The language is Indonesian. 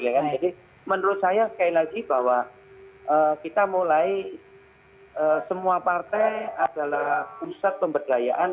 jadi menurut saya sekali lagi bahwa kita mulai semua partai adalah pusat pemberdayaan